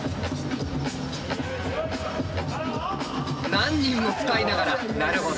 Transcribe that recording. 何人も使いながらなるほど。